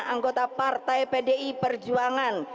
anggota partai pdi perjuangan